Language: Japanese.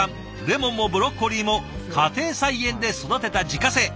レモンもブロッコリーも家庭菜園で育てた自家製。